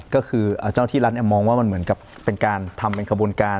ก็คือเจ้าที่รัฐมองว่ามันเหมือนกับเป็นการทำเป็นขบวนการ